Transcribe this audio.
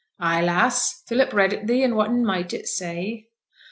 'Ay, lass! Philip read it thee, and whatten might it say?'